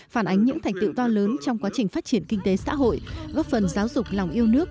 phản ánh những thành tựu to lớn trong quá trình phát triển kinh tế xã hội góp phần giáo dục lòng yêu nước